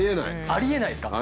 ありえないですか？